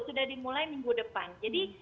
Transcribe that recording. sudah dimulai minggu depan jadi